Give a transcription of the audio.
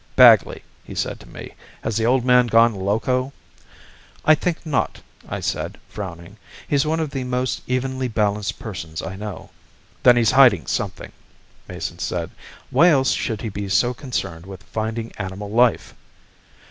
"Bagley," he said to me, "has the Old Man gone loco?" "I think not," I said, frowning. "He's one of the most evenly balanced persons I know." "Then he's hiding something," Mason said. "Why else should he be so concerned with finding animal life?"